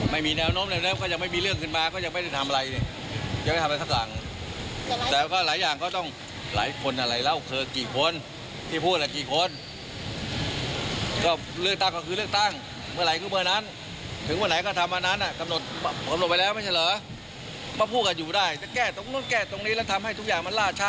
มาพูดกันอยู่ได้แต่แก้ตรงนู้นแก้ตรงนี้แล้วทำให้ทุกอย่างมันราชะ